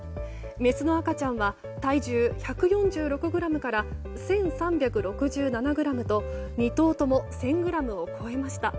メスの赤ちゃんは体重１４６ｇから１３６７ｇと、２頭とも１０００ｇを超えました。